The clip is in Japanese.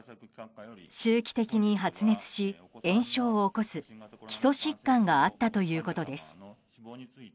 周期的に発熱し、炎症を起こす基礎疾患があったということです。